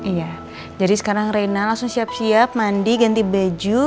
iya jadi sekarang reina langsung siap siap mandi ganti baju